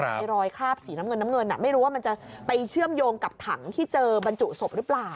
ไอ้รอยคราบสีน้ำเงินน้ำเงินไม่รู้ว่ามันจะไปเชื่อมโยงกับถังที่เจอบรรจุศพหรือเปล่า